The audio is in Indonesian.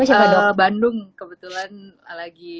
ada anak bandung kebetulan lagi